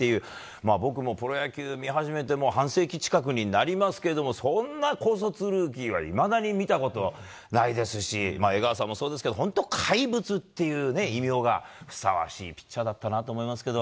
僕もプロ野球見始めて半世紀近くになりますけどそんな高卒ルーキーはいまだに見たことないですし江川さんもそうですけど本当に怪物という異名がふさわしいピッチャーだったと思いますけど。